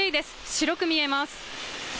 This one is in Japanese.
白く見えます。